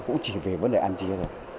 cũng chỉ về vấn đề ăn chia thôi